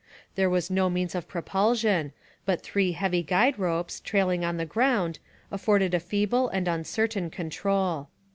There was no means of propulsion, but three heavy guide ropes, trailing on the ground, afforded a feeble and uncertain control.